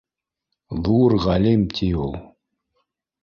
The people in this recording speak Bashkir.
Ҙур ғалим, ти, ул